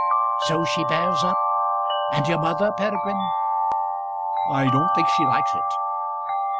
So she bears up? And your mother, Peregrine?" "I don't think she likes it."